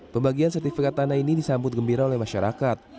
pembagian sertifikat tanah ini disambut gembira oleh masyarakat